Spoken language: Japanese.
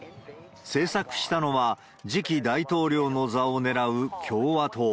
制作したのは、次期大統領の座を狙う共和党。